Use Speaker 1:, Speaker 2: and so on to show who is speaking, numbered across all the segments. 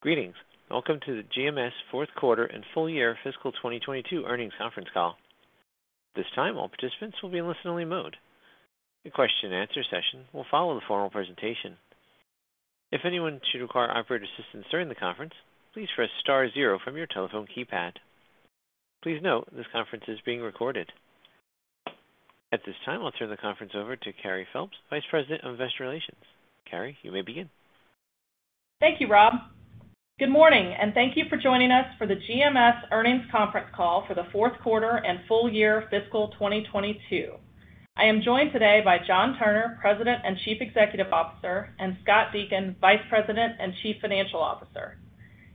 Speaker 1: Greetings, welcome to the GMS fourth quarter and full year fiscal 2022 earnings conference call. At this time, all participants will be in listen only mode. The question and answer session will follow the formal presentation. If anyone should require operator assistance during the conference, please press star zero from your telephone keypad. Please note this conference is being recorded. At this time, I'll turn the conference over to Carey Phelps, Vice President of Investor Relations. Carey, you may begin.
Speaker 2: Thank you, Rob. Good morning, and thank you for joining us for the GMS earnings conference call for the fourth quarter and full year fiscal 2022. I am joined today by John Turner, President and Chief Executive Officer, and Scott Deakin, Vice President and Chief Financial Officer.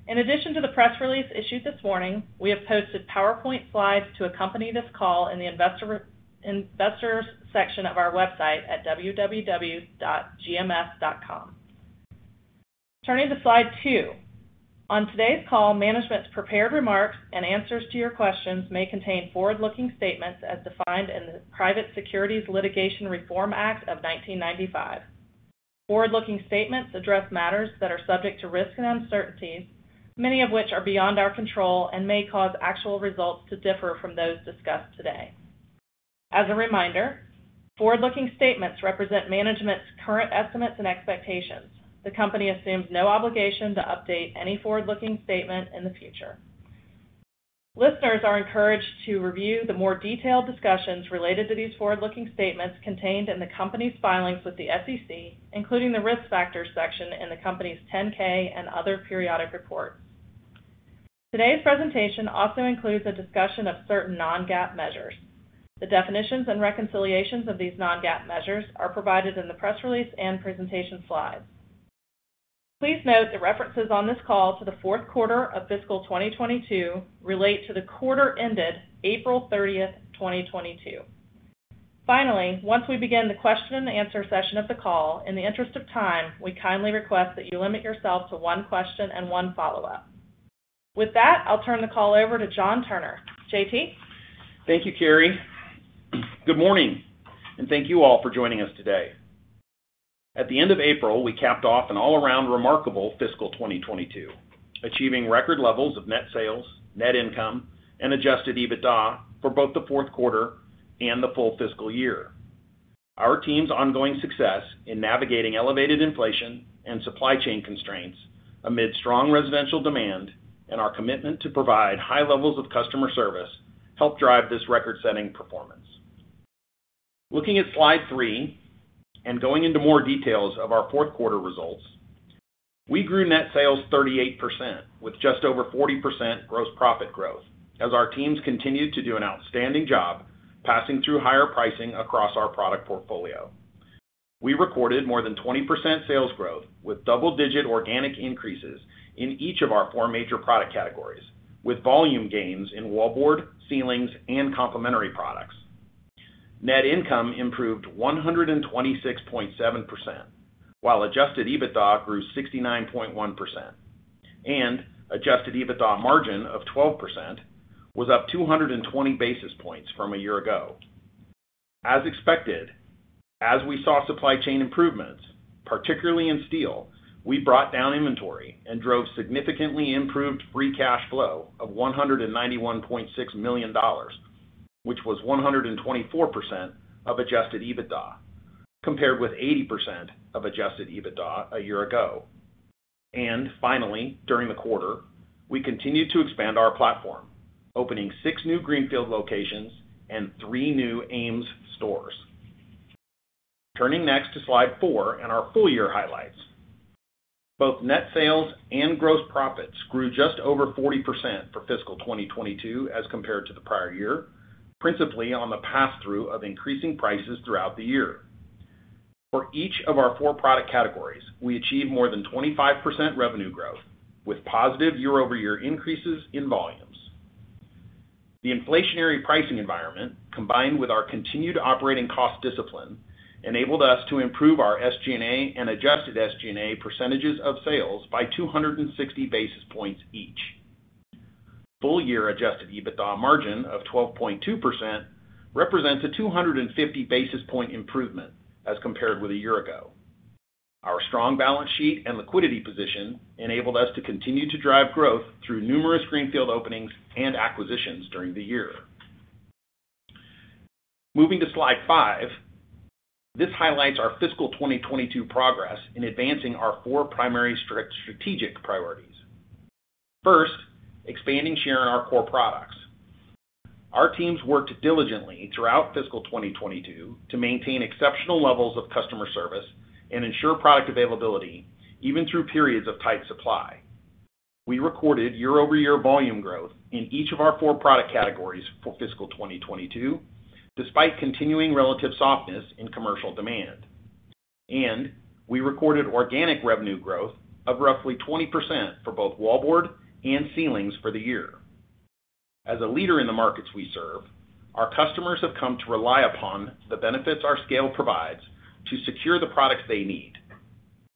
Speaker 2: In addition to the press release issued this morning, we have posted PowerPoint slides to accompany this call in the investors section of our website at www.gms.com. Turning to slide two. On today's call, management's prepared remarks and answers to your questions may contain forward-looking statements as defined in the Private Securities Litigation Reform Act of 1995. Forward-looking statements address matters that are subject to risks and uncertainties, many of which are beyond our control and may cause actual results to differ from those discussed today. As a reminder, forward-looking statements represent management's current estimates and expectations. The company assumes no obligation to update any forward-looking statement in the future. Listeners are encouraged to review the more detailed discussions related to these forward-looking statements contained in the company's filings with the SEC, including the risk factors section in the company's 10-K and other periodic reports. Today's presentation also includes a discussion of certain non-GAAP measures. The definitions and reconciliations of these non-GAAP measures are provided in the press release and presentation slides. Please note the references on this call to the fourth quarter of fiscal 2022 relate to the quarter ended April 30, 2022. Finally, once we begin the question and answer session of the call, in the interest of time, we kindly request that you limit yourself to one question and one follow-up. With that, I'll turn the call over to John Turner. JT.
Speaker 3: Thank you, Carey. Good morning, and thank you all for joining us today. At the end of April, we capped off an all-around remarkable fiscal 2022, achieving record levels of net sales, net income, and adjusted EBITDA for both the fourth quarter and the full fiscal year. Our team's ongoing success in navigating elevated inflation and supply chain constraints amid strong residential demand and our commitment to provide high levels of customer service helped drive this record-setting performance. Looking at slide three and going into more details of our fourth quarter results, we grew net sales 38% with just over 40% gross profit growth as our teams continued to do an outstanding job passing through higher pricing across our product portfolio. We recorded more than 20% sales growth with double-digit organic increases in each of our four major product categories, with volume gains in wallboard, ceilings, and complementary products. Net income improved 126.7%, while adjusted EBITDA grew 69.1%, and adjusted EBITDA margin of 12% was up 220 basis points from a year ago. As expected, as we saw supply chain improvements, particularly in steel, we brought down inventory and drove significantly improved free cash flow of $191.6 million, which was 124% of adjusted EBITDA, compared with 80% of adjusted EBITDA a year ago. Finally, during the quarter, we continued to expand our platform, opening six new greenfield locations and three new AMES stores. Turning next to slide four and our full year highlights. Both net sales and gross profits grew just over 40% for fiscal 2022 as compared to the prior year, principally on the pass-through of increasing prices throughout the year. For each of our four product categories, we achieved more than 25% revenue growth, with positive year-over-year increases in volumes. The inflationary pricing environment, combined with our continued operating cost discipline, enabled us to improve our SG&A and adjusted SG&A percentages of sales by 260 basis points each. Full year adjusted EBITDA margin of 12.2% represents a 250 basis point improvement as compared with a year ago. Our strong balance sheet and liquidity position enabled us to continue to drive growth through numerous greenfield openings and acquisitions during the year. Moving to slide five. This highlights our fiscal 2022 progress in advancing our four primary strategic priorities. First, expanding share in our core products. Our teams worked diligently throughout fiscal 2022 to maintain exceptional levels of customer service and ensure product availability even through periods of tight supply. We recorded year-over-year volume growth in each of our four product categories for fiscal 2022, despite continuing relative softness in commercial demand. We recorded organic revenue growth of roughly 20% for both wallboard and ceilings for the year. As a leader in the markets we serve, our customers have come to rely upon the benefits our scale provides to secure the products they need,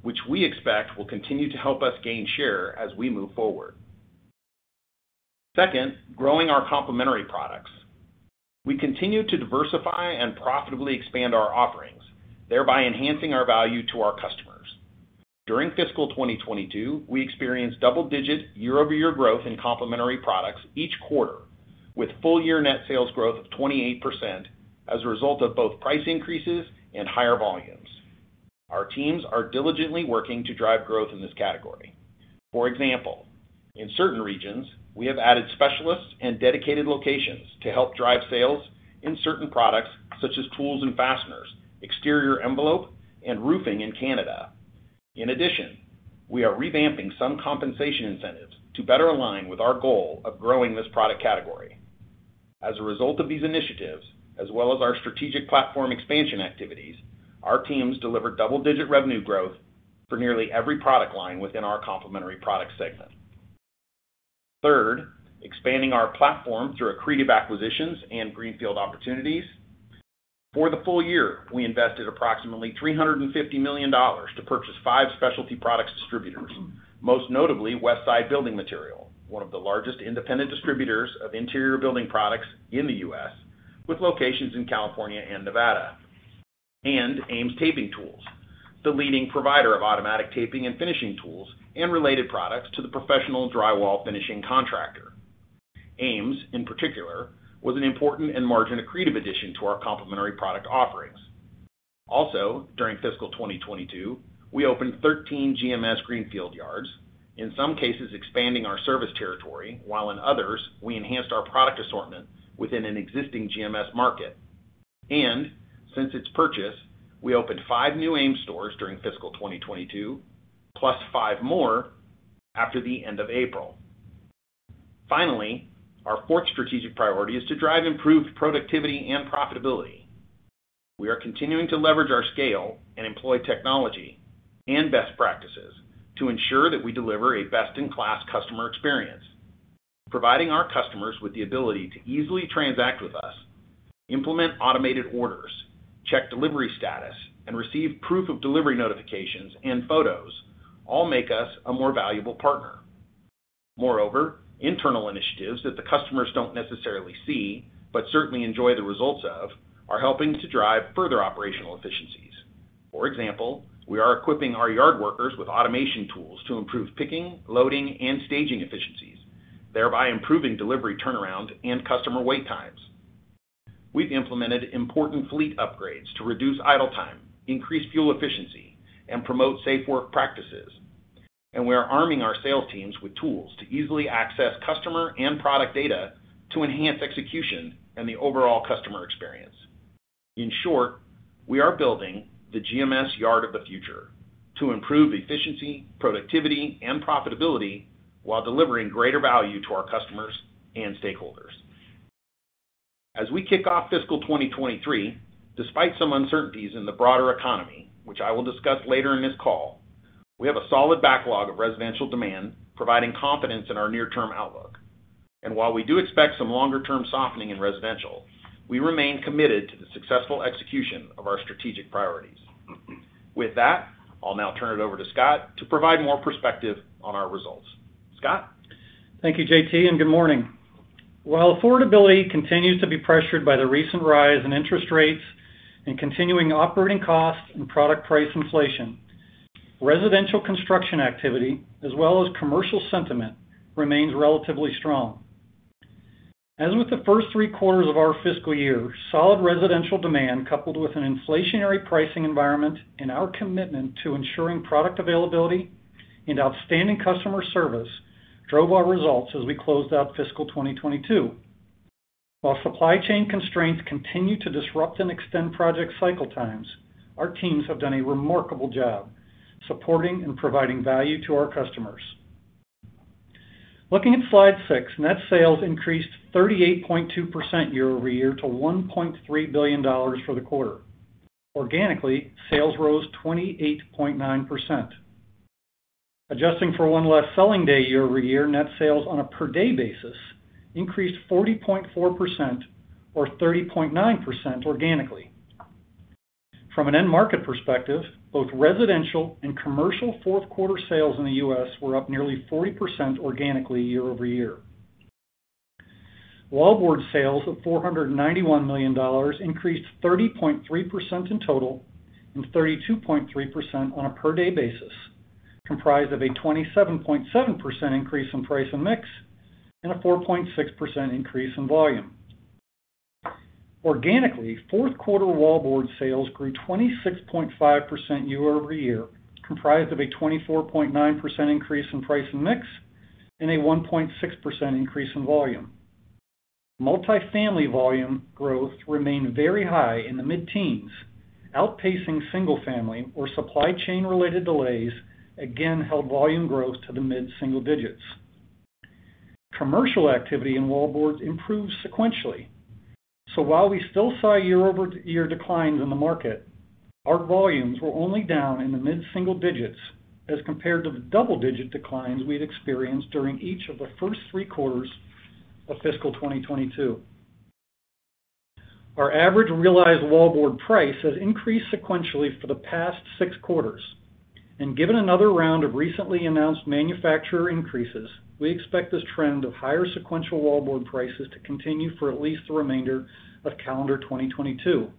Speaker 3: which we expect will continue to help us gain share as we move forward. Second, growing our complementary products. We continue to diversify and profitably expand our offerings, thereby enhancing our value to our customers. During fiscal 2022, we experienced double-digit year-over-year growth in complementary products each quarter, with full year net sales growth of 28% as a result of both price increases and higher volumes. Our teams are diligently working to drive growth in this category. For example, in certain regions, we have added specialists and dedicated locations to help drive sales in certain products such as tools and fasteners, exterior envelope, and roofing in Canada. In addition, we are revamping some compensation incentives to better align with our goal of growing this product category. As a result of these initiatives, as well as our strategic platform expansion activities, our teams delivered double-digit revenue growth for nearly every product line within our complementary product segment. Third, expanding our platform through accretive acquisitions and greenfield opportunities. For the full year, we invested approximately $350 million to purchase five specialty products distributors, most notably Westside Building Material, one of the largest independent distributors of interior building products in the U.S., with locations in California and Nevada, and AMES Taping Tools, the leading provider of automatic taping and finishing tools and related products to the professional drywall finishing contractor. AMES, in particular, was an important and margin accretive addition to our complementary product offerings. Also, during fiscal 2022, we opened 13 GMS greenfield yards, in some cases expanding our service territory, while in others, we enhanced our product assortment within an existing GMS market. Since its purchase, we opened five new AMES stores during fiscal 2022, plus five more after the end of April. Finally, our fourth strategic priority is to drive improved productivity and profitability. We are continuing to leverage our scale and employ technology and best practices to ensure that we deliver a best-in-class customer experience, providing our customers with the ability to easily transact with us, implement automated orders, check delivery status, and receive proof of delivery notifications and photos, all make us a more valuable partner. Moreover, internal initiatives that the customers don't necessarily see, but certainly enjoy the results of, are helping to drive further operational efficiencies. For example, we are equipping our yard workers with automation tools to improve picking, loading, and staging efficiencies, thereby improving delivery turnaround and customer wait times. We've implemented important fleet upgrades to reduce idle time, increase fuel efficiency, and promote safe work practices. We are arming our sales teams with tools to easily access customer and product data to enhance execution and the overall customer experience. In short, we are building the GMS yard of the future to improve efficiency, productivity, and profitability while delivering greater value to our customers and stakeholders. As we kick off fiscal 2023, despite some uncertainties in the broader economy, which I will discuss later in this call, we have a solid backlog of residential demand, providing confidence in our near-term outlook. While we do expect some longer-term softening in residential, we remain committed to the successful execution of our strategic priorities. With that, I'll now turn it over to Scott to provide more perspective on our results. Scott?
Speaker 4: Thank you, JT, and good morning. While affordability continues to be pressured by the recent rise in interest rates and continuing operating costs and product price inflation, residential construction activity, as well as commercial sentiment, remains relatively strong. As with the first three quarters of our fiscal year, solid residential demand, coupled with an inflationary pricing environment and our commitment to ensuring product availability and outstanding customer service, drove our results as we closed out fiscal 2022. While supply chain constraints continue to disrupt and extend project cycle times, our teams have done a remarkable job supporting and providing value to our customers. Looking at slide six, net sales increased 38.2% year-over-year to $1.3 billion for the quarter. Organically, sales rose 28.9%. Adjusting for one less selling day year-over-year, net sales on a per day basis increased 40.4% or 30.9% organically. From an end market perspective, both residential and commercial fourth quarter sales in the U.S. were up nearly 40% organically year-over-year. Wallboard sales of $491 million increased 30.3% in total and 32.3% on a per day basis, comprised of a 27.7% increase in price and mix and a 4.6% increase in volume. Organically, fourth quarter wallboard sales grew 26.5% year-over-year, comprised of a 24.9% increase in price and mix and a 1.6% increase in volume. Multifamily volume growth remained very high in the mid-teens, outpacing single-family. Or supply chain-related delays again held volume growth to the mid-single digits. Commercial activity in wallboards improved sequentially. While we still saw year-over-year declines in the market, our volumes were only down in the mid-single digits as compared to the double-digit declines we'd experienced during each of the first three quarters of fiscal 2022. Our average realized wallboard price has increased sequentially for the past six quarters. Given another round of recently announced manufacturer increases, we expect this trend of higher sequential wallboard prices to continue for at least the remainder of calendar 2022.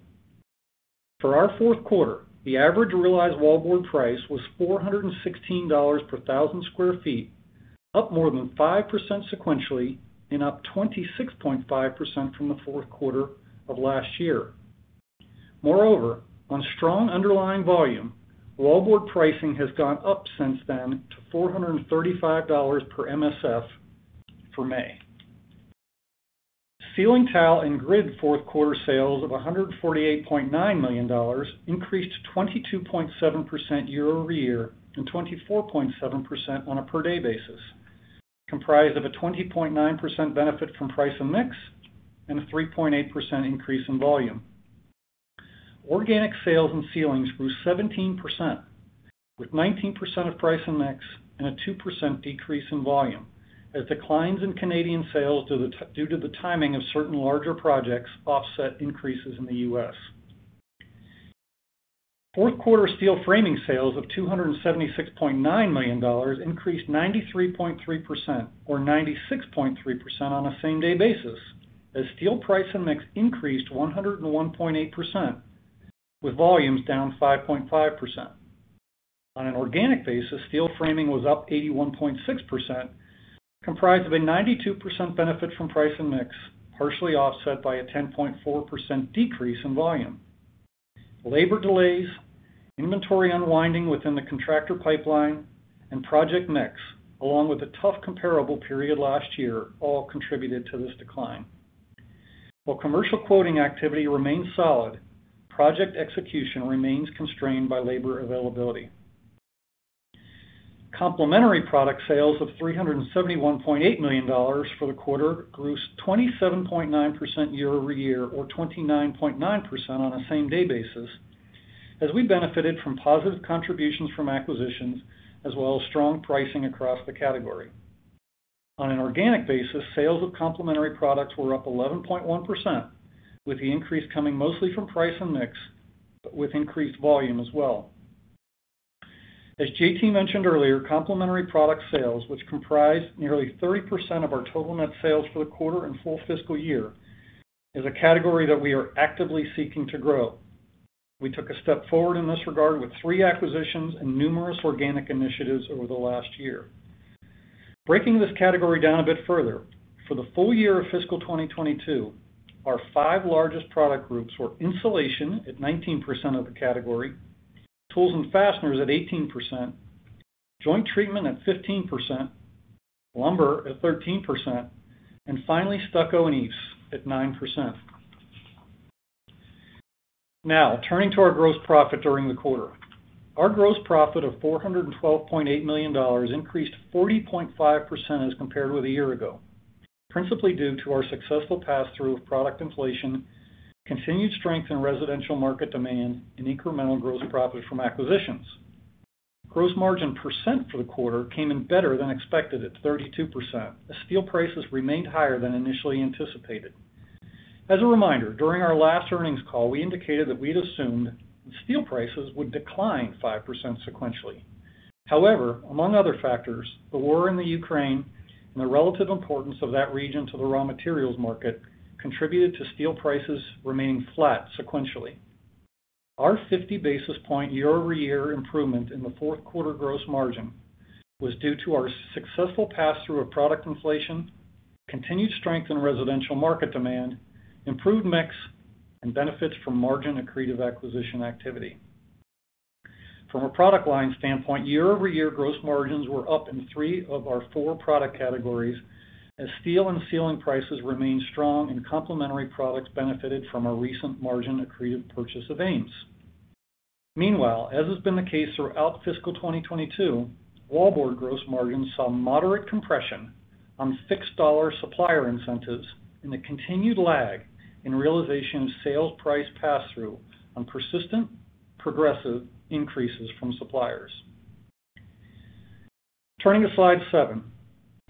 Speaker 4: For our fourth quarter, the average realized wallboard price was $416 per 1,000 sq ft, up more than 5% sequentially and up 26.5% from the fourth quarter of last year. Moreover, on strong underlying volume, wallboard pricing has gone up since then to $435 per MSF for May. Ceiling tile and grid fourth quarter sales of $148.9 million increased 22.7% year-over-year and 24.7% on a per day basis, comprised of a 20.9% benefit from price and mix, and a 3.8% increase in volume. Organic sales in ceilings grew 17%, with 19% of price and mix and a 2% decrease in volume as declines in Canadian sales due to the timing of certain larger projects offset increases in the U.S. Fourth quarter steel framing sales of $276.9 million increased 93.3% or 96.3% on a same-day basis as steel price and mix increased 101.8% with volumes down 5.5%. On an organic basis, steel framing was up 81.6%, comprised of a 92% benefit from price and mix, partially offset by a 10.4% decrease in volume. Labor delays, inventory unwinding within the contractor pipeline and project mix, along with the tough comparable period last year all contributed to this decline. While commercial quoting activity remains solid, project execution remains constrained by labor availability. Complementary product sales of $371.8 million for the quarter grew 27.9% year-over-year or 29.9% on a same-day basis as we benefited from positive contributions from acquisitions, as well as strong pricing across the category. On an organic basis, sales of complementary products were up 11.1%, with the increase coming mostly from price and mix, but with increased volume as well. As JT mentioned earlier, complementary product sales, which comprise nearly 30% of our total net sales for the quarter and full fiscal year, is a category that we are actively seeking to grow. We took a step forward in this regard with three acquisitions and numerous organic initiatives over the last year. Breaking this category down a bit further, for the full year of fiscal 2022, our five largest product groups were insulation at 19% of the category, tools and fasteners at 18%, joint treatment at 15%, lumber at 13%, and finally, stucco and EIFS at 9%. Now, turning to our gross profit during the quarter. Our gross profit of $412.8 million increased 40.5% as compared with a year ago, principally due to our successful passthrough of product inflation, continued strength in residential market demand and incremental gross profit from acquisitions. Gross margin percent for the quarter came in better than expected at 32% as steel prices remained higher than initially anticipated. As a reminder, during our last earnings call, we indicated that we'd assumed steel prices would decline 5% sequentially. However, among other factors, the war in Ukraine and the relative importance of that region to the raw materials market contributed to steel prices remaining flat sequentially. Our 50 basis point year-over-year improvement in the fourth quarter gross margin was due to our successful passthrough of product inflation, continued strength in residential market demand, improved mix, and benefits from margin accretive acquisition activity. From a product line standpoint, year-over-year gross margins were up in three of our four product categories as steel and ceiling prices remained strong and complementary products benefited from a recent margin accretive purchase of AMES. Meanwhile, as has been the case throughout fiscal 2022, wallboard gross margin saw moderate compression on fixed dollar supplier incentives and a continued lag in realization of sales price passthrough on persistent progressive increases from suppliers. Turning to slide seven.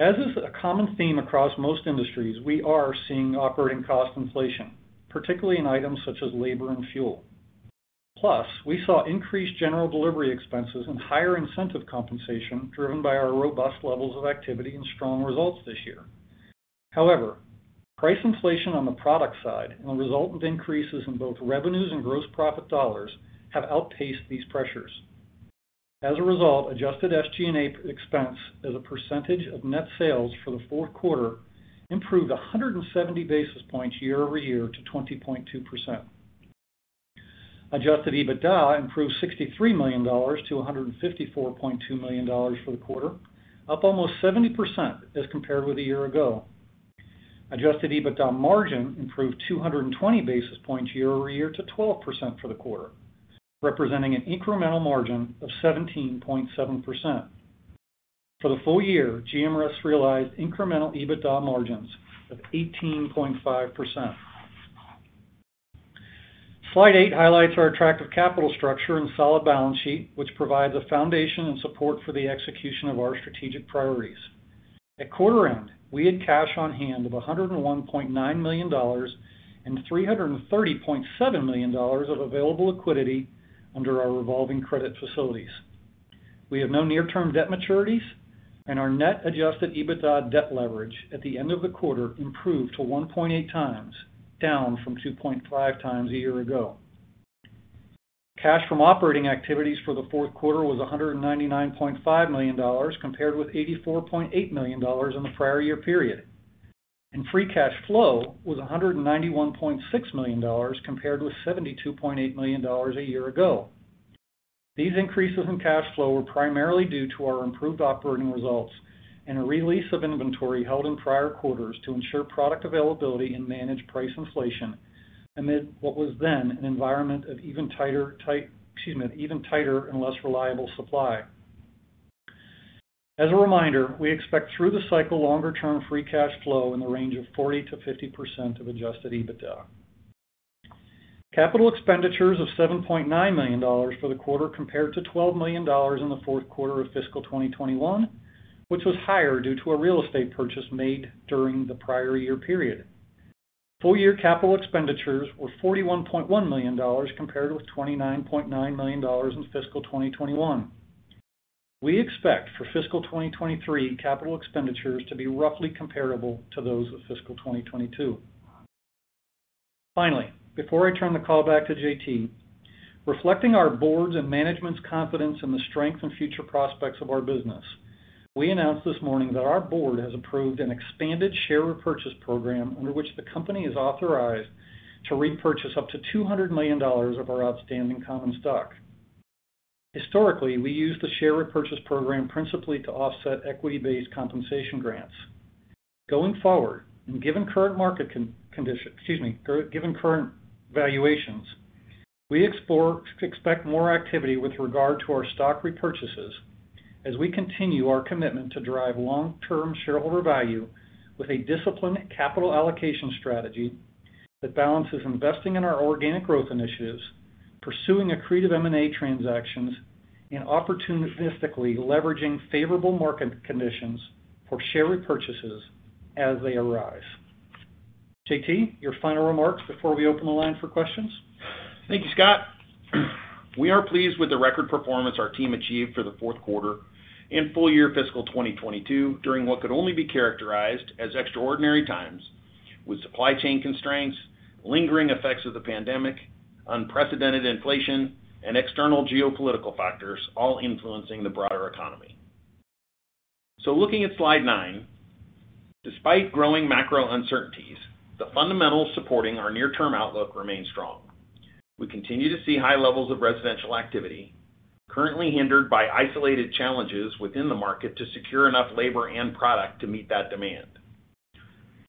Speaker 4: As is a common theme across most industries, we are seeing operating cost inflation, particularly in items such as labor and fuel. Plus, we saw increased general delivery expenses and higher incentive compensation driven by our robust levels of activity and strong results this year. However, price inflation on the product side and the resultant increases in both revenues and gross profit dollars have outpaced these pressures. As a result, adjusted SG&A expense as a percentage of net sales for the fourth quarter improved 170 basis points year-over-year to 20.2%. Adjusted EBITDA improved $63 million-$154.2 million for the quarter, up almost 70% as compared with a year ago. Adjusted EBITDA margin improved 220 basis points year-over-year to 12% for the quarter, representing an incremental margin of 17.7%. For the full year, GMS realized incremental EBITDA margins of 18.5%. Slide eight highlights our attractive capital structure and solid balance sheet, which provides a foundation and support for the execution of our strategic priorities. At quarter end, we had cash on hand of $101.9 million and $330.7 million of available liquidity under our revolving credit facilities. We have no near-term debt maturities and our net adjusted EBITDA debt leverage at the end of the quarter improved to 1.8x, down from 2.5x a year ago. Cash from operating activities for the fourth quarter was $199.5 million, compared with $84.8 million in the prior year period. Free cash flow was $191.6 million compared with $72.8 million a year ago. These increases in cash flow were primarily due to our improved operating results and a release of inventory held in prior quarters to ensure product availability and manage price inflation amid what was then an environment of even tighter and less reliable supply. As a reminder, we expect through the cycle longer-term free cash flow in the range of 40%-50% of adjusted EBITDA. Capital expenditures of $7.9 million for the quarter compared to $12 million in the fourth quarter of fiscal 2021, which was higher due to a real estate purchase made during the prior year period. Full-year capital expenditures were $41.1 million compared with $29.9 million in fiscal 2021. We expect for fiscal 2023 capital expenditures to be roughly comparable to those of fiscal 2022. Finally, before I turn the call back to JT, reflecting our board's and management's confidence in the strength and future prospects of our business, we announced this morning that our board has approved an expanded share repurchase program under which the company is authorized to repurchase up to $200 million of our outstanding common stock. Historically, we used the share repurchase program principally to offset equity-based compensation grants. Going forward, given current valuations, we expect more activity with regard to our stock repurchases as we continue our commitment to drive long-term shareholder value with a disciplined capital allocation strategy that balances investing in our organic growth initiatives, pursuing accretive M&A transactions, and opportunistically leveraging favorable market conditions for share repurchases as they arise. JT, your final remarks before we open the line for questions.
Speaker 3: Thank you, Scott. We are pleased with the record performance our team achieved for the fourth quarter and full year fiscal 2022 during what could only be characterized as extraordinary times with supply chain constraints, lingering effects of the pandemic, unprecedented inflation, and external geopolitical factors all influencing the broader economy. Looking at slide nine, despite growing macro uncertainties, the fundamentals supporting our near-term outlook remain strong. We continue to see high levels of residential activity currently hindered by isolated challenges within the market to secure enough labor and product to meet that demand.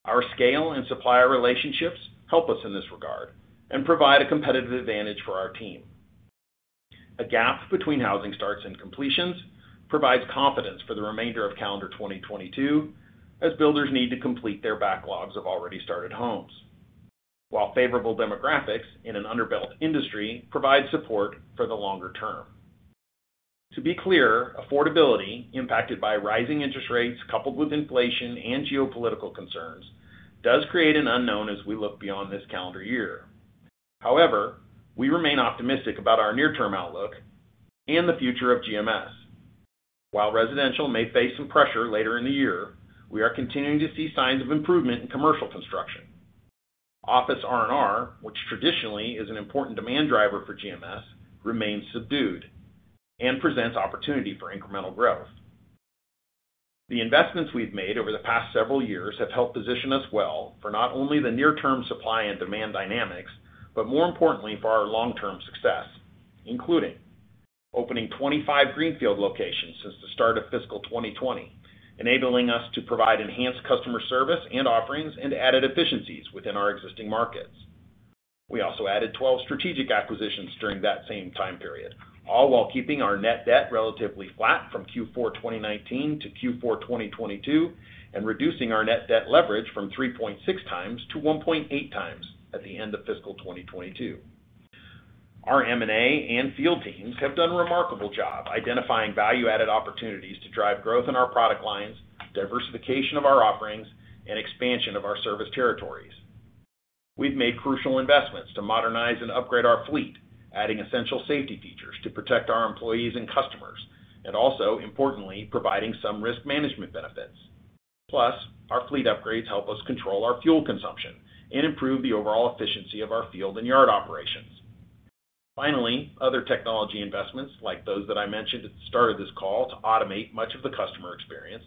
Speaker 3: Our scale and supplier relationships help us in this regard and provide a competitive advantage for our team. A gap between housing starts and completions provides confidence for the remainder of calendar 2022 as builders need to complete their backlogs of already started homes. While favorable demographics in an under-built industry provide support for the longer term. To be clear, affordability impacted by rising interest rates coupled with inflation and geopolitical concerns does create an unknown as we look beyond this calendar year. However, we remain optimistic about our near-term outlook and the future of GMS. While residential may face some pressure later in the year, we are continuing to see signs of improvement in commercial construction. Office R&R, which traditionally is an important demand driver for GMS, remains subdued and presents opportunity for incremental growth. The investments we've made over the past several years have helped position us well for not only the near-term supply and demand dynamics, but more importantly for our long-term success, including opening 25 greenfield locations since the start of fiscal 2020, enabling us to provide enhanced customer service and offerings and added efficiencies within our existing markets. We also added 12 strategic acquisitions during that same time period, all while keeping our net debt relatively flat from Q4 2019 to Q4 2022, and reducing our net debt leverage from 3.6x-1.8x at the end of fiscal 2022. Our M&A and field teams have done a remarkable job identifying value-added opportunities to drive growth in our product lines, diversification of our offerings, and expansion of our service territories. We've made crucial investments to modernize and upgrade our fleet, adding essential safety features to protect our employees and customers, and also, importantly, providing some risk management benefits. Plus, our fleet upgrades help us control our fuel consumption and improve the overall efficiency of our field and yard operations. Finally, other technology investments, like those that I mentioned at the start of this call to automate much of the customer experience,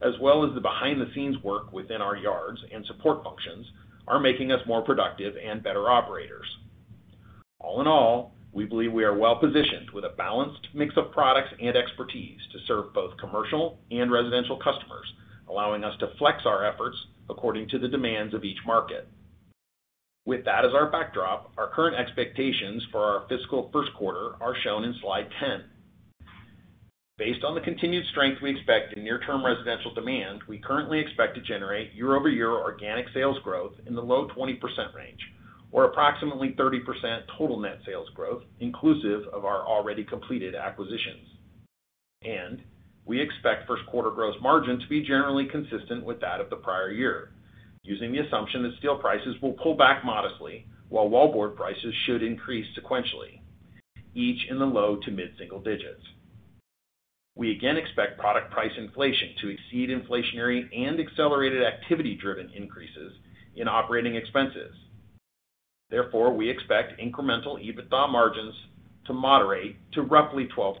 Speaker 3: as well as the behind-the-scenes work within our yards and support functions, are making us more productive and better operators. All in all, we believe we are well positioned with a balanced mix of products and expertise to serve both commercial and residential customers, allowing us to flex our efforts according to the demands of each market. With that as our backdrop, our current expectations for our fiscal first quarter are shown in slide 10. Based on the continued strength we expect in near-term residential demand, we currently expect to generate year-over-year organic sales growth in the low 20% range or approximately 30% total net sales growth inclusive of our already completed acquisitions. We expect first quarter gross margin to be generally consistent with that of the prior year using the assumption that steel prices will pull back modestly while wallboard prices should increase sequentially, each in the low to mid-single digits. We again expect product price inflation to exceed inflationary and accelerated activity-driven increases in operating expenses. Therefore, we expect incremental EBITDA margins to moderate to roughly 12%.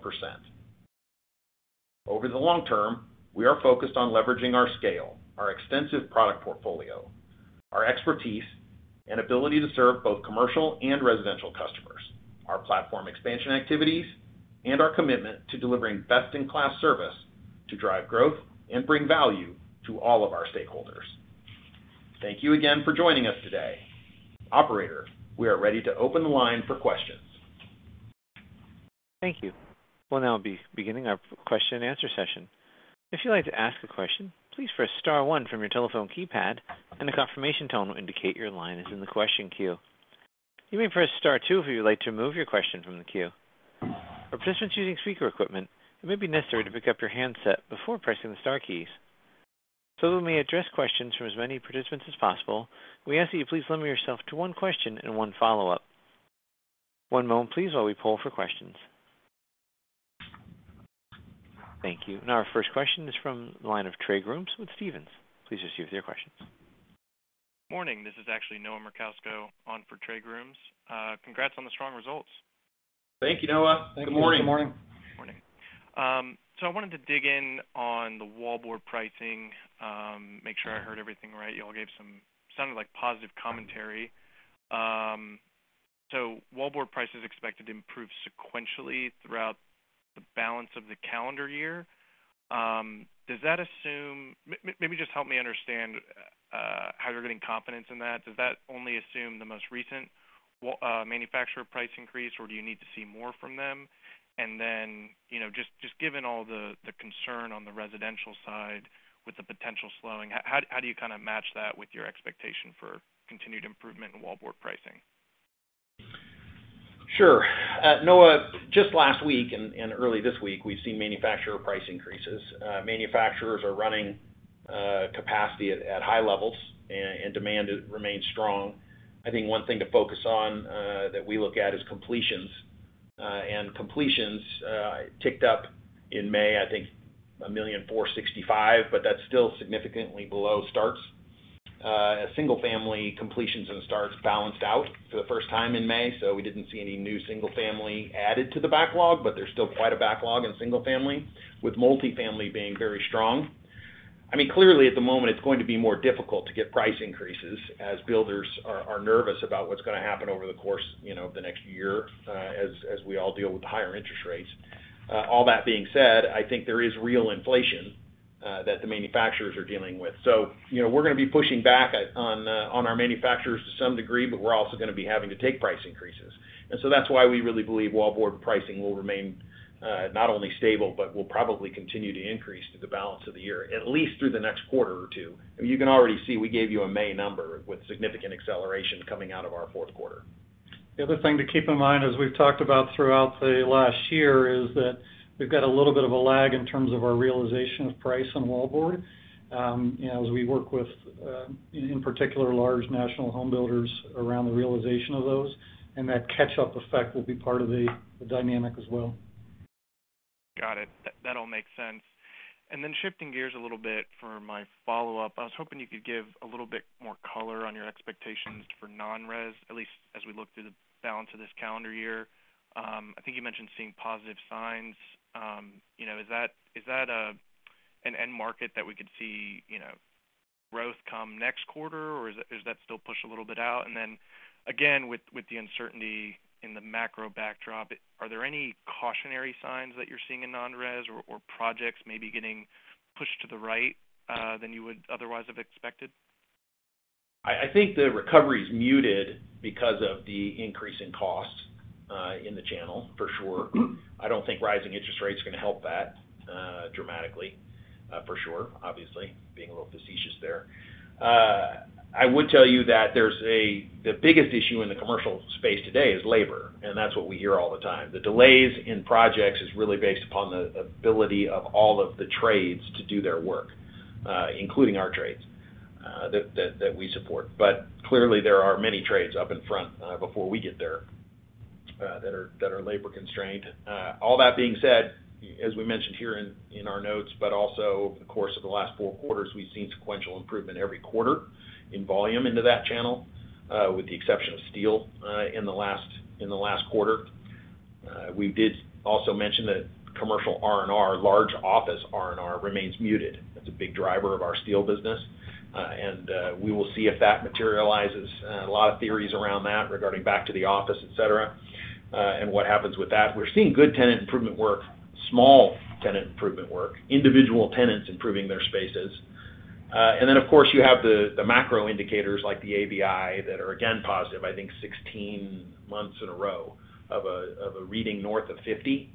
Speaker 3: Over the long term, we are focused on leveraging our scale, our extensive product portfolio, our expertise and ability to serve both commercial and residential customers, our platform expansion activities, and our commitment to delivering best-in-class service to drive growth and bring value to all of our stakeholders. Thank you again for joining us today. Operator, we are ready to open the line for questions.
Speaker 1: Thank you. We'll now be beginning our question-and-answer session. If you'd like to ask a question, please press star one from your telephone keypad, and a confirmation tone will indicate your line is in the question queue. You may press star two if you would like to remove your question from the queue. For participants using speaker equipment, it may be necessary to pick up your handset before pressing the star keys. So that we may address questions from as many participants as possible, we ask that you please limit yourself to one question and one follow-up. One moment, please, while we poll for questions. Thank you. Our first question is from the line of Trey Grooms with Stephens. Please proceed with your questions.
Speaker 5: Morning. This is actually Noah Merkousko on for Trey Grooms. Congrats on the strong results.
Speaker 3: Thank you, Noah. Good morning.
Speaker 4: Good morning.
Speaker 5: Morning. I wanted to dig in on the wallboard pricing, make sure I heard everything right. Y'all gave some sounded like positive commentary. Wallboard price is expected to improve sequentially throughout the balance of the calendar year. Does that maybe just help me understand how you're getting confidence in that? Does that only assume the most recent manufacturer price increase, or do you need to see more from them? You know, just given all the concern on the residential side with the potential slowing, how do you kinda match that with your expectation for continued improvement in wallboard pricing?
Speaker 3: Sure. Noah, just last week and early this week, we've seen manufacturer price increases. Manufacturers are running capacity at high levels and demand remains strong. I think one thing to focus on that we look at is completions. Completions ticked up in May, I think, 1,465,000, but that's still significantly below starts. Single family completions and starts balanced out for the first time in May, so we didn't see any new single family added to the backlog, but there's still quite a backlog in single family, with multifamily being very strong. I mean, clearly at the moment, it's going to be more difficult to get price increases as builders are nervous about what's gonna happen over the course, you know, of the next year, as we all deal with higher interest rates. All that being said, I think there is real inflation that the manufacturers are dealing with. You know, we're gonna be pushing back on our manufacturers to some degree, but we're also gonna be having to take price increases. That's why we really believe wallboard pricing will remain not only stable, but will probably continue to increase through the balance of the year, at least through the next quarter or two. You can already see we gave you a May number with significant acceleration coming out of our fourth quarter.
Speaker 4: The other thing to keep in mind, as we've talked about throughout the last year, is that we've got a little bit of a lag in terms of our realization of price on wallboard, you know, as we work with, in particular, large national home builders around the realization of those, and that catch-up effect will be part of the dynamic as well.
Speaker 5: Got it. That all makes sense. Shifting gears a little bit for my follow-up, I was hoping you could give a little bit more color on your expectations for non-res, at least as we look through the balance of this calendar year. I think you mentioned seeing positive signs. You know, is that an end market that we could see, you know, growth come next quarter, or is that still pushed a little bit out? With the uncertainty in the macro backdrop, are there any cautionary signs that you're seeing in non-res or projects maybe getting pushed to the right than you would otherwise have expected?
Speaker 3: I think the recovery is muted because of the increase in costs in the channel for sure. I don't think rising interest rates are gonna help that dramatically for sure, obviously, being a little facetious there. I would tell you that there's the biggest issue in the commercial space today is labor, and that's what we hear all the time. The delays in projects is really based upon the ability of all of the trades to do their work, including our trades that we support. Clearly there are many trades up in front before we get there that are labor constrained. All that being said, as we mentioned here in our notes, but also over the course of the last four quarters, we've seen sequential improvement every quarter in volume into that channel, with the exception of steel, in the last quarter. We did also mention that commercial R&R, large office R&R remains muted. That's a big driver of our steel business. We will see if that materializes. A lot of theories around that regarding back to the office, etc., and what happens with that. We're seeing good tenant improvement work, small tenant improvement work, individual tenants improving their spaces. Of course, you have the macro indicators like the ABI that are again positive, I think 16 months in a row of a reading north of 50.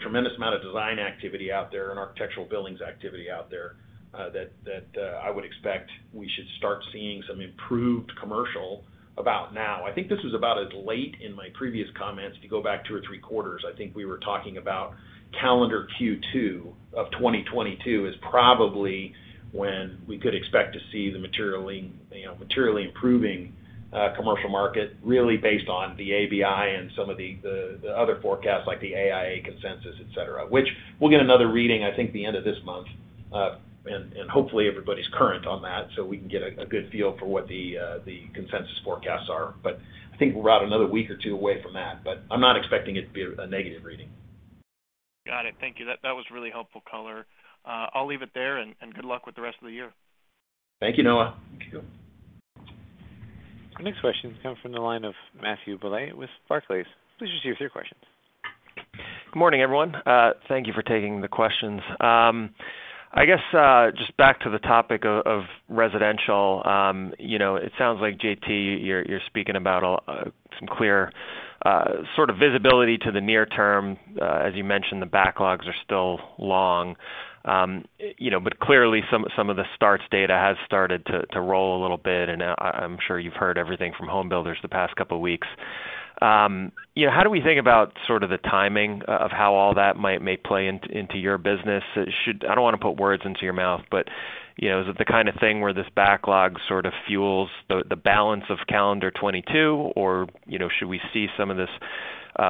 Speaker 3: Tremendous amount of design activity out there and architectural buildings activity out there, that I would expect we should start seeing some improved commercial about now. I think this was about as late in my previous comments. If you go back two or three quarters, I think we were talking about calendar Q2 of 2022 is probably when we could expect to see the materially, you know, materially improving commercial market really based on the ABI and some of the other forecasts like the AIA consensus, etc., which we'll get another reading, I think, the end of this month. And hopefully everybody's current on that, so we can get a good feel for what the consensus forecasts are. I think we're about another week or two away from that, but I'm not expecting it to be a negative reading.
Speaker 5: Got it. Thank you. That was really helpful color. I'll leave it there, and good luck with the rest of the year.
Speaker 3: Thank you, Noah.
Speaker 4: Thank you.
Speaker 1: Our next question comes from the line of Matthew Bouley with Barclays. Please proceed with your questions.
Speaker 6: Good morning, everyone. Thank you for taking the questions. I guess just back to the topic of residential, you know, it sounds like, JT, you're speaking about some clear sort of visibility to the near term. As you mentioned, the backlogs are still long. You know, but clearly some of the starts data has started to roll a little bit, and I'm sure you've heard everything from home builders the past couple weeks. You know, how do we think about sort of the timing of how all that might play into your business? Should I don't wanna put words into your mouth, but, you know, is it the kind of thing where this backlog sort of fuels the balance of calendar 2022, or, you know, should we see some of this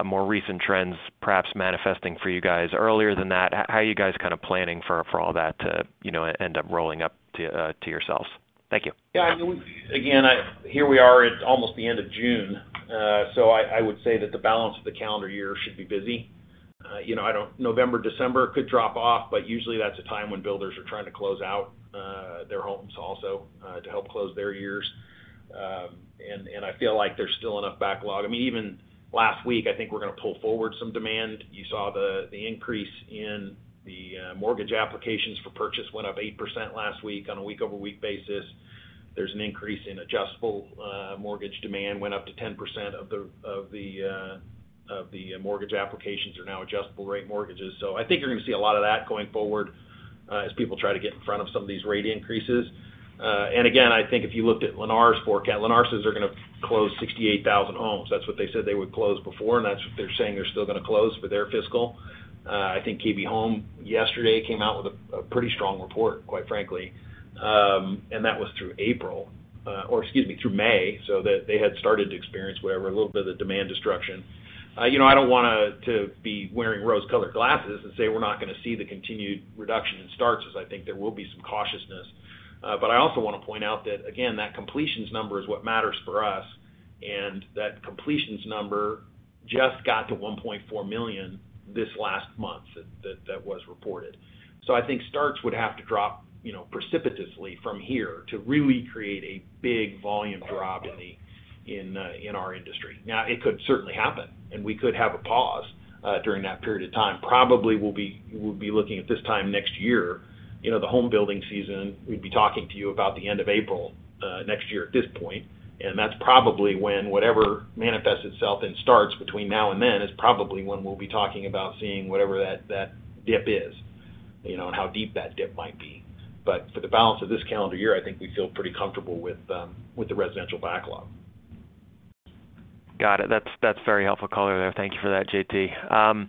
Speaker 6: more recent trends perhaps manifesting for you guys earlier than that? How are you guys kind of planning for all that to, you know, end up rolling up to to yourselves? Thank you.
Speaker 3: Yeah. I mean, again, here we are. It's almost the end of June. I would say that the balance of the calendar year should be busy. November, December could drop off, but usually that's a time when builders are trying to close out their homes also to help close their years. I feel like there's still enough backlog. I mean, even last week, I think we're gonna pull forward some demand. You saw the increase in the mortgage applications for purchase went up 8% last week on a week-over-week basis. There's an increase in adjustable mortgage demand. The demand went up to 10% of the mortgage applications that are now adjustable rate mortgages. I think you're gonna see a lot of that going forward, as people try to get in front of some of these rate increases. Again, I think if you looked at Lennar's forecast, Lennar says they're gonna close 68,000 homes. That's what they said they would close before, and that's what they're saying they're still gonna close for their fiscal. I think KB Home yesterday came out with a pretty strong report, quite frankly. That was through April, or excuse me, through May, so that they had started to experience whatever, a little bit of the demand destruction. You know, I don't want to be wearing rose-colored glasses and say we're not gonna see the continued reduction in starts, as I think there will be some cautiousness. I also wanna point out that again, that completions number is what matters for us, and that completions number just got to 1.4 million this last month that was reported. I think starts would have to drop, you know, precipitously from here to really create a big volume drop in our industry. Now, it could certainly happen, and we could have a pause during that period of time. Probably we'll be looking at this time next year, you know, the home building season. We'd be talking to you about the end of April next year at this point, and that's probably when whatever manifests itself and starts between now and then is probably when we'll be talking about seeing whatever that dip is, you know, and how deep that dip might be. For the balance of this calendar year, I think we feel pretty comfortable with the residential backlog.
Speaker 6: Got it. That's very helpful color there. Thank you for that, JT.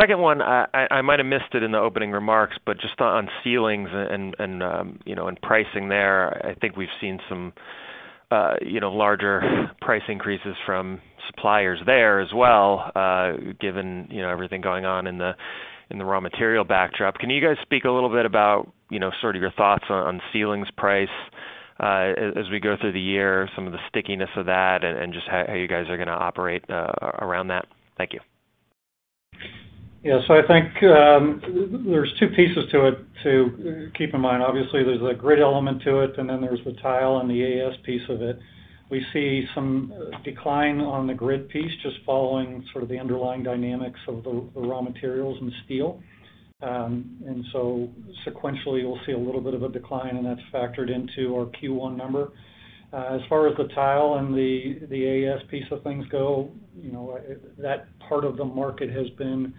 Speaker 6: Second one, I might have missed it in the opening remarks, but just on ceilings and you know and pricing there, I think we've seen some you know larger price increases from suppliers there as well, given you know everything going on in the raw material backdrop. Can you guys speak a little bit about you know sort of your thoughts on ceilings price as we go through the year, some of the stickiness of that and just how you guys are gonna operate around that? Thank you.
Speaker 4: Yeah. I think there's two pieces to it to keep in mind. Obviously, there's a grid element to it, and then there's the tile and the ASP of it. We see some decline on the grid piece just following sort of the underlying dynamics of the raw materials and steel. And so sequentially, you'll see a little bit of a decline, and that's factored into our Q1 number. As far as the tile and the ASP of things go, you know, that part of the market has been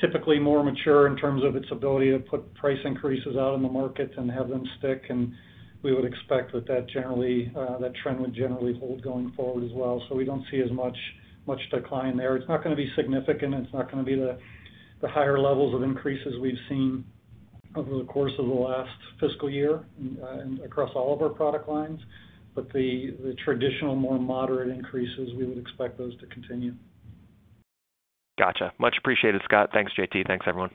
Speaker 4: typically more mature in terms of its ability to put price increases out in the market and have them stick, and we would expect that generally that trend would generally hold going forward as well. We don't see as much decline there. It's not gonna be significant. It's not gonna be the higher levels of increases we've seen over the course of the last fiscal year and across all of our product lines. The traditional, more moderate increases, we would expect those to continue.
Speaker 6: Gotcha. Much appreciated, Scott. Thanks, JT. Thanks, everyone.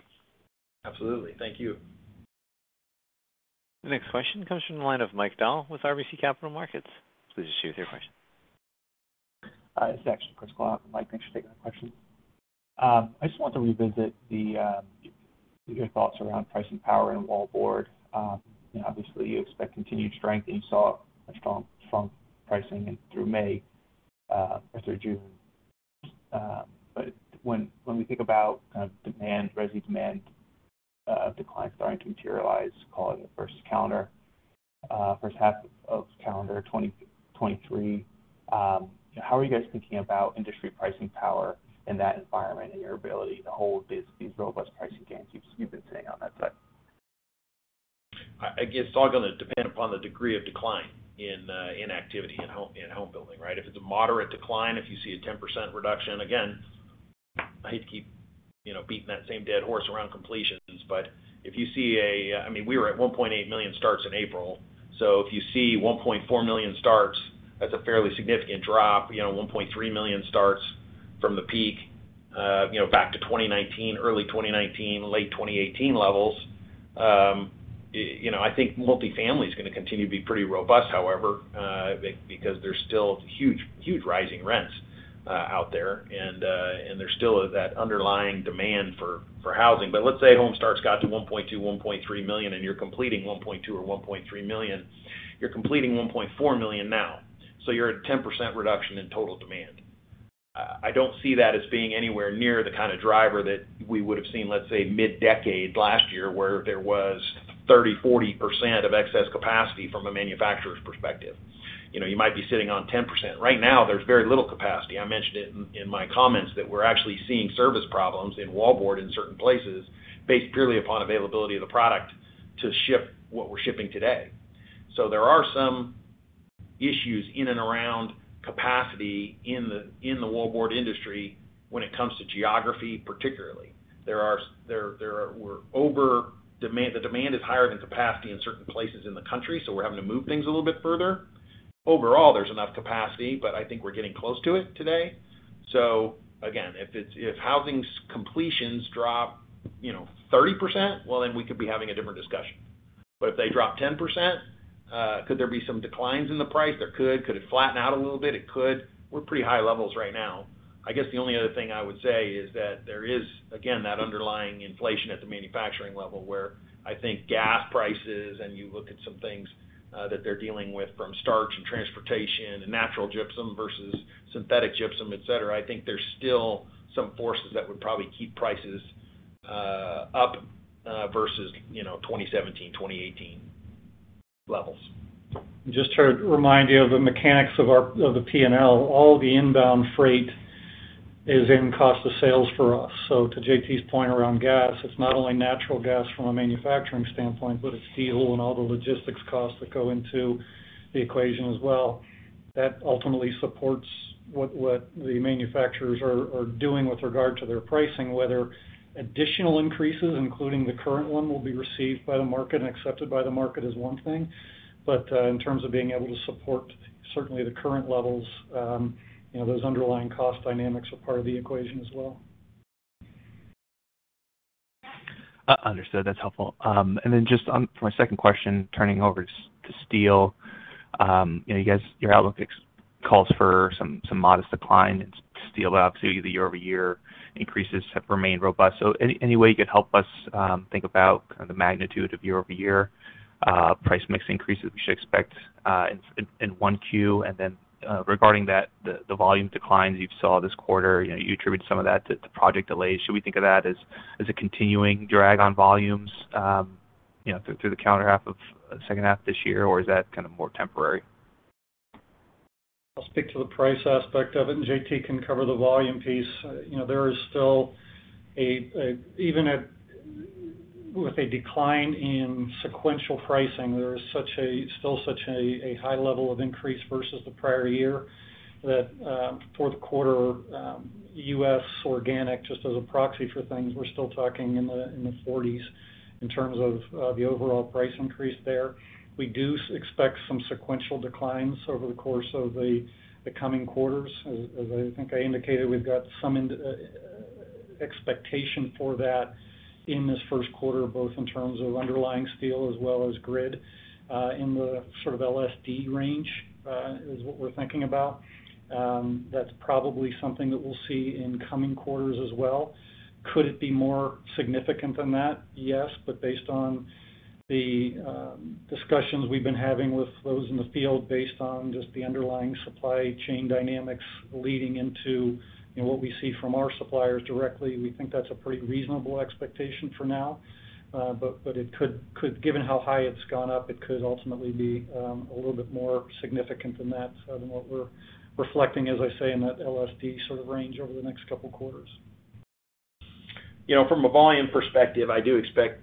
Speaker 3: Absolutely. Thank you.
Speaker 1: The next question comes from the line of Mike Dahl with RBC Capital Markets. Please proceed with your question.
Speaker 7: This is actually Chris, but when we think about kind of demand, resi demand, declines starting to materialize, call it the first half of calendar 2023, how are you guys thinking about industry pricing power in that environment and your ability to hold these robust pricing gains you've been seeing on that side?
Speaker 3: I guess it's all gonna depend upon the degree of decline in activity in home building, right? If it's a moderate decline, if you see a 10% reduction, again, I hate to keep, you know, beating that same dead horse around completions. If you see, I mean, we were at 1.8 million starts in April. If you see 1.4 million starts, that's a fairly significant drop. You know, 1.3 million starts from the peak, you know, back to 2019, early 2019, late 2018 levels. I think multifamily is gonna continue to be pretty robust, however, because there's still huge rising rents out there, and there's still that underlying demand for housing. Let's say home starts got to 1.2 million-1.3 million, and you're completing 1.2 or 1.3 million. You're completing 1.4 million now, so you're at 10% reduction in total demand. I don't see that as being anywhere near the kind of driver that we would've seen, let's say, mid-decade last year, where there was 30%-40% of excess capacity from a manufacturer's perspective. You know, you might be sitting on 10%. Right now, there's very little capacity. I mentioned it in my comments that we're actually seeing service problems in wallboard in certain places based purely upon availability of the product to ship what we're shipping today. So there are some issues in and around capacity in the wallboard industry when it comes to geography, particularly. We're over demand. The demand is higher than capacity in certain places in the country, so we're having to move things a little bit further. Overall, there's enough capacity, but I think we're getting close to it today. Again, if housing's completions drop, you know, 30%, well, then we could be having a different discussion. But if they drop 10%, could there be some declines in the price? There could. Could it flatten out a little bit? It could. We're pretty high levels right now. I guess the only other thing I would say is that there is, again, that underlying inflation at the manufacturing level where I think gas prices, and you look at some things, that they're dealing with from starch and transportation and natural gypsum versus synthetic gypsum, etc. I think there's still some forces that would probably keep prices up versus, you know, 2017, 2018 levels.
Speaker 4: Just to remind you of the mechanics of our P&L, all the inbound freight is in cost of sales for us. To JT's point around gas, it's not only natural gas from a manufacturing standpoint, but it's steel and all the logistics costs that go into the equation as well. That ultimately supports what the manufacturers are doing with regard to their pricing, whether additional increases, including the current one, will be received by the market and accepted by the market is one thing. In terms of being able to support certainly the current levels, you know, those underlying cost dynamics are part of the equation as well.
Speaker 7: Understood. That's helpful. For my second question, turning to steel. You know, you guys, your outlook calls for some modest decline in steel. Obviously the year-over-year increases have remained robust. Any way you could help us think about kind of the magnitude of year-over-year price mix increases we should expect in Q1? Regarding that, the volume declines you saw this quarter, you know, you attribute some of that to project delays. Should we think of that as a continuing drag on volumes through the second half this year, or is that kind of more temporary?
Speaker 4: I'll speak to the price aspect of it, and JT can cover the volume piece. You know, there is still such a high level of increase versus the prior year that fourth quarter U.S. organic, just as a proxy for things, we're still talking in the 40s in terms of the overall price increase there. We do expect some sequential declines over the course of the coming quarters. As I think I indicated, we've got some expectation for that in this first quarter, both in terms of underlying steel as well as grid, in the sort of LSD range, is what we're thinking about. That's probably something that we'll see in coming quarters as well. Could it be more significant than that? Yes. Based on the discussions we've been having with those in the field based on just the underlying supply chain dynamics leading into, you know, what we see from our suppliers directly, we think that's a pretty reasonable expectation for now. It could, given how high it's gone up, it could ultimately be a little bit more significant than that, than what we're reflecting, as I say, in that LSD sort of range over the next couple quarters.
Speaker 3: You know, from a volume perspective, I do expect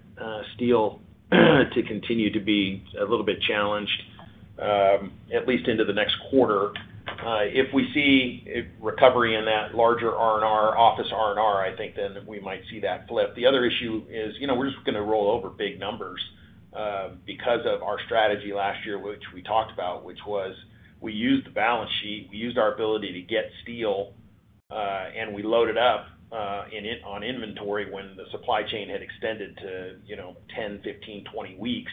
Speaker 3: steel to continue to be a little bit challenged, at least into the next quarter. If we see a recovery in that larger R&R, office R&R, I think then we might see that flip. The other issue is, you know, we're just gonna roll over big numbers, because of our strategy last year, which we talked about, which was we used the balance sheet, we used our ability to get steel, and we loaded up on inventory when the supply chain had extended to, you know, 10, 15, 20 weeks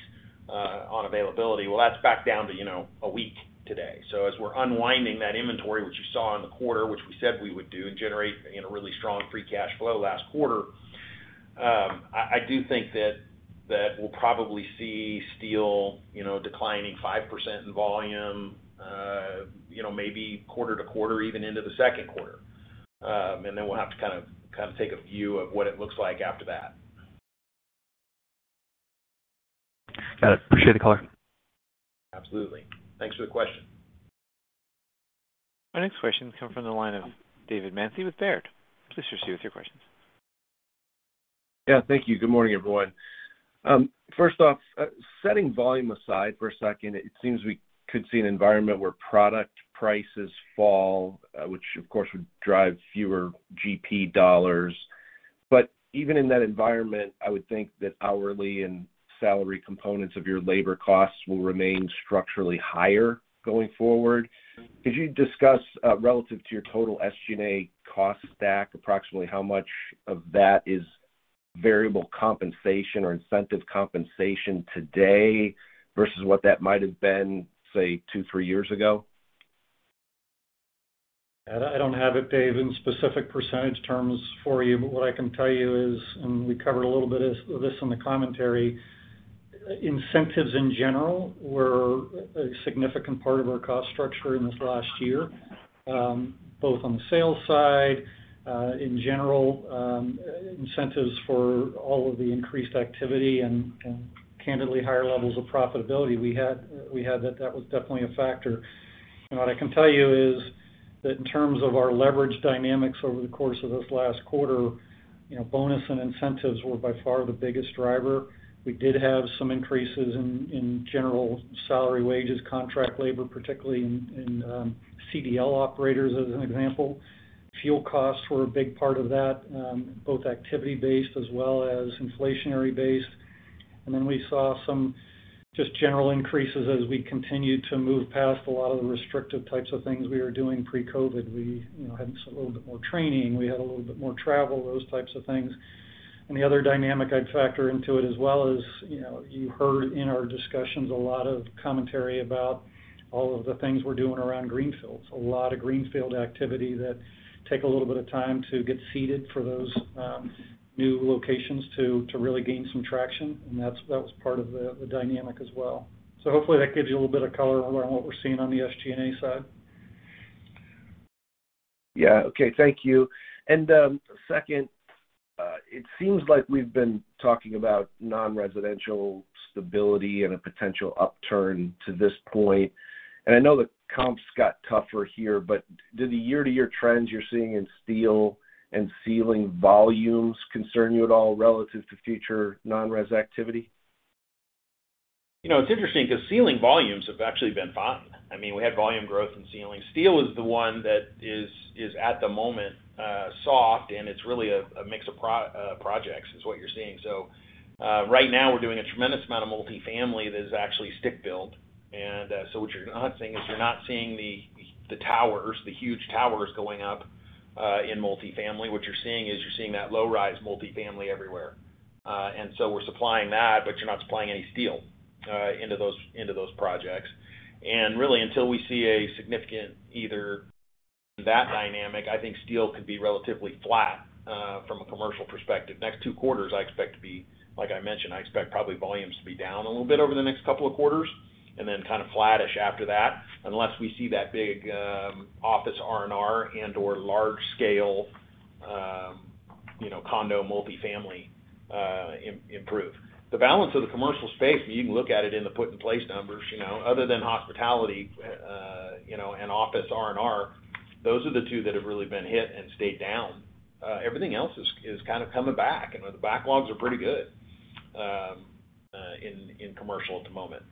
Speaker 3: on availability. Well, that's back down to, you know, a week today. As we're unwinding that inventory, which you saw in the quarter, which we said we would do, and generate, you know, really strong free cash flow last quarter, I do think that we'll probably see steel, you know, declining 5% in volume, maybe quarter-to-quarter, even into the second quarter. We'll have to kind of take a view of what it looks like after that.
Speaker 7: Got it. Appreciate the color.
Speaker 3: Absolutely. Thanks for the question.
Speaker 1: Our next question comes from the line of David Manthey with Baird. Please proceed with your questions.
Speaker 8: Yeah. Thank you. Good morning, everyone. First off, setting volume aside for a second, it seems we could see an environment where product prices fall, which of course would drive fewer GP dollars. Even in that environment, I would think that hourly and salary components of your labor costs will remain structurally higher going forward. Could you discuss, relative to your total SG&A cost stack, approximately how much of that is variable compensation or incentive compensation today versus what that might have been, say, two, three years ago?
Speaker 4: I don't have it, David, in specific percentage terms for you. What I can tell you is, and we covered a little bit of this in the commentary, incentives in general were a significant part of our cost structure in this last year, both on the sales side, in general, incentives for all of the increased activity and candidly higher levels of profitability we had, that was definitely a factor. What I can tell you is that in terms of our leverage dynamics over the course of this last quarter, you know, bonus and incentives were by far the biggest driver. We did have some increases in general salary, wages, contract labor, particularly in CDL operators, as an example. Fuel costs were a big part of that, both activity-based as well as inflationary-based. We saw some just general increases as we continued to move past a lot of the restrictive types of things we were doing pre-COVID. We, you know, had a little bit more training. We had a little bit more travel, those types of things. The other dynamic I'd factor into it as well is, you know, you heard in our discussions a lot of commentary about all of the things we're doing around greenfields. A lot of greenfield activity that take a little bit of time to get seated for those, new locations to really gain some traction. That was part of the dynamic as well. Hopefully that gives you a little bit of color around what we're seeing on the SG&A side.
Speaker 8: Yeah. Okay. Thank you. Second, it seems like we've been talking about non-residential stability and a potential upturn to this point. I know the comps got tougher here, but do the year-to-year trends you're seeing in steel and ceiling volumes concern you at all relative to future non-res activity?
Speaker 3: You know, it's interesting because ceilings volumes have actually been fine. I mean, we had volume growth in ceilings. Steel is the one that is at the moment soft, and it's really a mix of projects is what you're seeing. Right now we're doing a tremendous amount of multifamily that is actually stick built. What you're not seeing is you're not seeing the towers, the huge towers going up in multifamily. What you're seeing is you're seeing that low-rise multifamily everywhere. We're supplying that, but you're not supplying any steel into those projects. Really, until we see a significant either that dynamic, I think steel could be relatively flat from a commercial perspective. Next two quarters, I expect to be, like I mentioned, I expect probably volumes to be down a little bit over the next couple of quarters and then kind of flattish after that, unless we see that big office R&R and/or large scale, you know, condo multifamily improve. The balance of the commercial space, you can look at it in the put in place numbers, you know, other than hospitality, you know, and office R&R, those are the two that have really been hit and stayed down. Everything else is kind of coming back. You know, the backlogs are pretty good in commercial at the moment.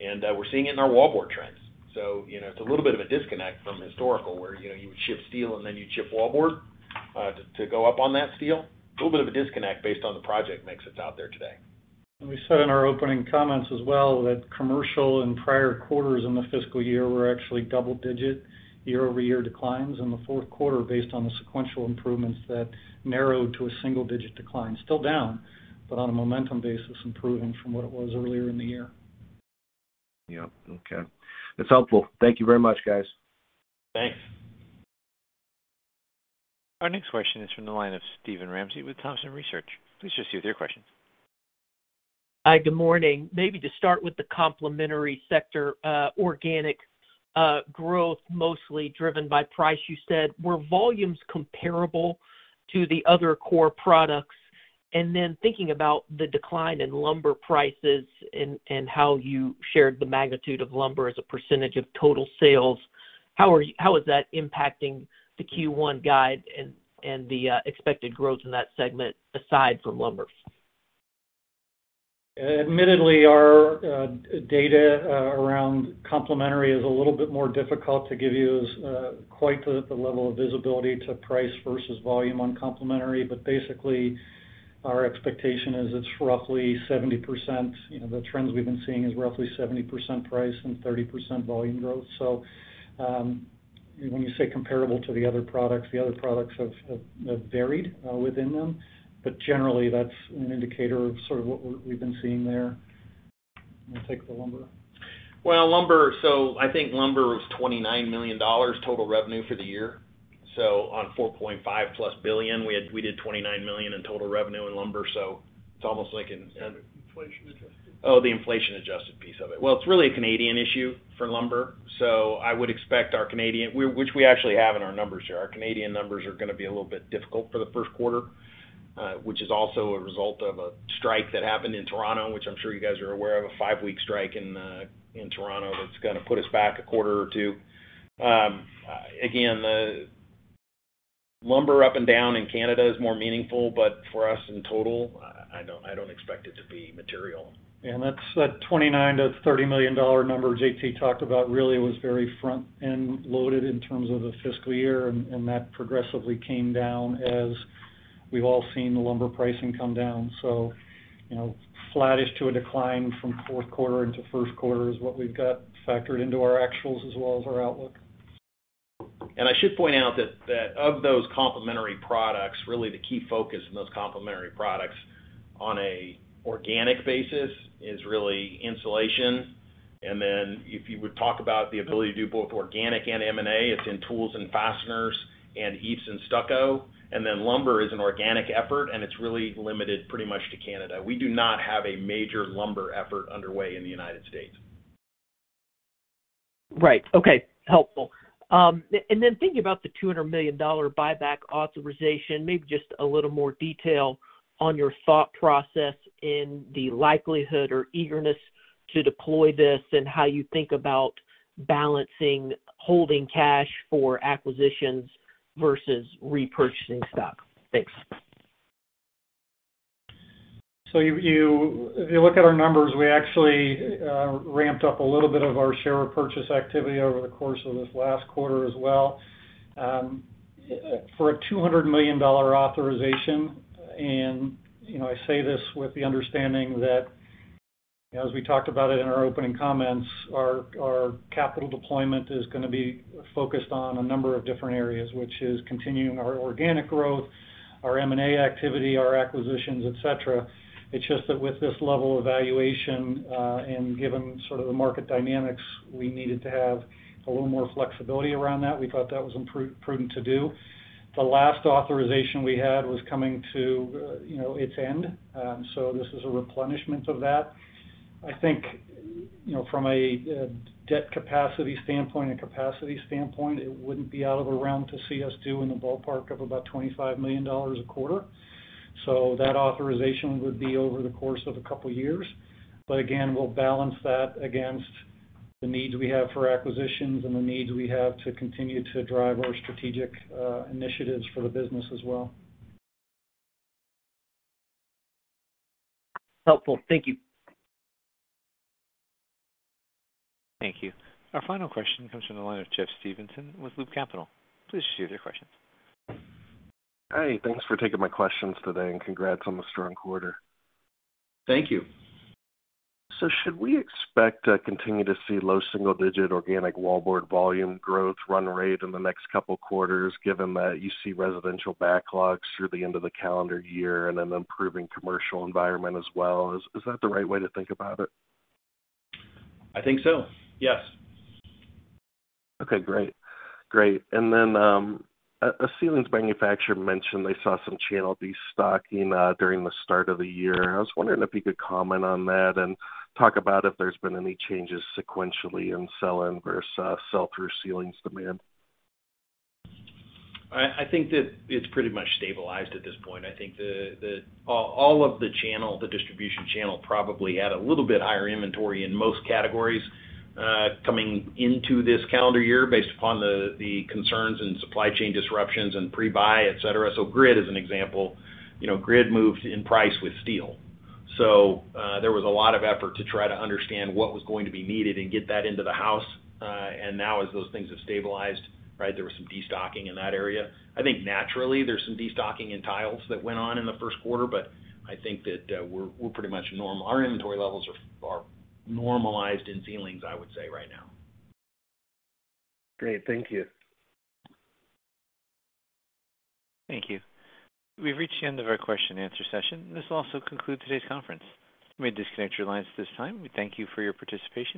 Speaker 3: We're seeing it in our wallboard trends. You know, it's a little bit of a disconnect from historical where, you know, you would ship steel and then you'd ship wallboard, to go up on that steel. A little bit of a disconnect based on the project mix that's out there today.
Speaker 4: We said in our opening comments as well that commercial and prior quarters in the fiscal year were actually double-digit year-over-year declines. In the fourth quarter, based on the sequential improvements, that narrowed to a single-digit decline. Still down, but on a momentum basis, improving from what it was earlier in the year.
Speaker 8: Yeah. Okay. That's helpful. Thank you very much, guys.
Speaker 3: Thanks.
Speaker 1: Our next question is from the line of Steven Ramsey with Thompson Research Group. Please proceed with your question.
Speaker 9: Hi. Good morning. Maybe to start with the complementary sector, organic growth mostly driven by price, you said. Were volumes comparable to the other core products? Then thinking about the decline in lumber prices and how you shared the magnitude of lumber as a percentage of total sales, how is that impacting the Q1 guide and the expected growth in that segment aside from lumber?
Speaker 4: Admittedly, our data around complementary is a little bit more difficult to give you quite the level of visibility to price versus volume on complementary. Basically, our expectation is it's roughly 70%. You know, the trends we've been seeing is roughly 70% price and 30% volume growth. When you say comparable to the other products, the other products have varied within them. Generally, that's an indicator of sort of what we've been seeing there. You want to take the lumber?
Speaker 3: Well, lumber. I think lumber was $29 million total revenue for the year. On $4.5+ billion, we did $29 million in total revenue in lumber, so it's almost like an-
Speaker 4: Inflation adjusted.
Speaker 3: Oh, the inflation-adjusted piece of it. Well, it's really a Canadian issue for lumber, so I would expect which we actually have in our numbers here. Our Canadian numbers are gonna be a little bit difficult for the first quarter, which is also a result of a strike that happened in Toronto, which I'm sure you guys are aware of, a five-week strike in Toronto that's gonna put us back a quarter or two. Again, the lumber up and down in Canada is more meaningful, but for us in total, I don't expect it to be material.
Speaker 4: That's, that $29 million-$30 million number JT talked about really was very front-end loaded in terms of the fiscal year, and that progressively came down as we've all seen the lumber pricing come down. You know, flattish to a decline from fourth quarter into first quarter is what we've got factored into our actuals as well as our outlook.
Speaker 3: I should point out that of those complementary products, really the key focus in those complementary products on an organic basis is really insulation. Then if you would talk about the ability to do both organic and M&A, it's in tools and fasteners and EIFS and stucco. Then lumber is an organic effort, and it's really limited pretty much to Canada. We do not have a major lumber effort underway in the United States.
Speaker 9: Right. Okay. Helpful. Thinking about the $200 million buyback authorization, maybe just a little more detail on your thought process in the likelihood or eagerness to deploy this and how you think about balancing holding cash for acquisitions versus repurchasing stock. Thanks.
Speaker 4: If you look at our numbers, we actually ramped up a little bit of our share purchase activity over the course of this last quarter as well. For a $200 million authorization, you know, I say this with the understanding that as we talked about it in our opening comments, our capital deployment is gonna be focused on a number of different areas, which is continuing our organic growth, our M&A activity, our acquisitions, et cetera. It's just that with this level of valuation, and given sort of the market dynamics, we needed to have a little more flexibility around that. We thought that was prudent to do. The last authorization we had was coming to, you know, its end, so this is a replenishment of that. I think, you know, from a debt capacity standpoint and capacity standpoint, it wouldn't be out of the realm to see us do in the ballpark of about $25 million a quarter. That authorization would be over the course of a couple years. Again, we'll balance that against the needs we have for acquisitions and the needs we have to continue to drive our strategic initiatives for the business as well.
Speaker 9: Helpful. Thank you.
Speaker 1: Thank you. Our final question comes from the line of Jeff Stevenson with Loop Capital. Please share your questions.
Speaker 10: Hi. Thanks for taking my questions today, and congrats on the strong quarter.
Speaker 3: Thank you.
Speaker 10: Should we expect to continue to see low single-digit organic wallboard volume growth run rate in the next couple quarters, given that you see residential backlogs through the end of the calendar year and an improving commercial environment as well? Is that the right way to think about it?
Speaker 3: I think so, yes.
Speaker 10: Great. A ceilings manufacturer mentioned they saw some channel destocking during the start of the year. I was wondering if you could comment on that and talk about if there's been any changes sequentially in sell-in versus sell-through ceilings demand.
Speaker 3: I think that it's pretty much stabilized at this point. I think the distribution channel probably had a little bit higher inventory in most categories, coming into this calendar year based upon the concerns and supply chain disruptions and pre-buy, et cetera. Grid as an example, you know, grid moves in price with steel. There was a lot of effort to try to understand what was going to be needed and get that into the house. And now as those things have stabilized, right, there was some destocking in that area. I think naturally, there's some destocking in tiles that went on in the first quarter, but I think that, we're pretty much normal. Our inventory levels are normalized in ceilings, I would say, right now.
Speaker 10: Great. Thank you.
Speaker 1: Thank you. We've reached the end of our question and answer session. This will also conclude today's conference. You may disconnect your lines at this time. We thank you for your participation.